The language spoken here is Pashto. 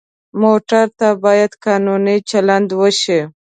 موټر ته باید قانوني چلند وشي.